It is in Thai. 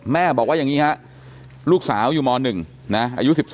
แม่บอกว่าอย่างนี้ฮะลูกสาวอยู่ม๑นะอายุ๑๓